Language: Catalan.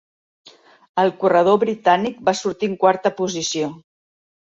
El corredor britànic va sortir en quarta posició.